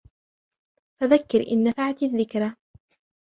فذكر إن نفعت الذكرى